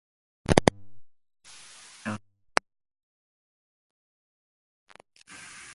Antes de eso, ella era una columnista ocasional en The Age.